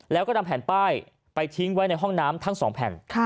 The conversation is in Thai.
แล้วก็นำแผ่นป้ายไปทิ้งไว้ในห้องน้ำทั้งสองแผ่น